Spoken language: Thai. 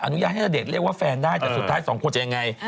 อุญาตให้ณเดชน์เรียกว่าแฟนได้แต่สุดท้ายสองคนจะยังไง